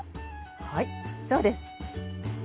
はいそうです。